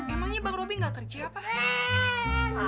emangnya bang robi gak kerja apa